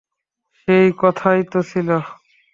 সেই কথাই তো ছিল।